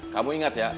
kamu ingat ya